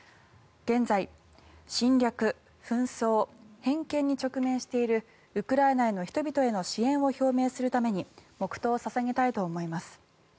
現在侵略、紛争、偏見に直面しているウクライナの人々への支援を表明するために黙祷を捧げたいと思います。